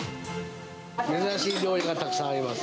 珍しい料理がたくさんありま